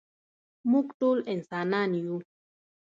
مونږ ټول انسانان يو.